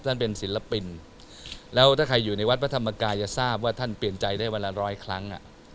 ท่านเป็นศิลปินแล้วถ้าใครอยู่ในวัดพระธรรมกายจะทราบว่าท่านเปลี่ยนใจได้วันละร้อยครั้ง